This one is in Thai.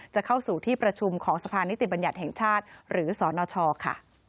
จะเข้าสู่ที่ประชุมของสะพานิติบัญญัติแห่งชาติหรือสนชค่ะ